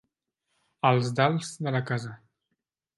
Els dalts de la casa.